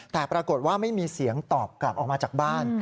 แต่ปรากฏว่าไม่มีเสียงตอบกลับออกมาจากบ้าน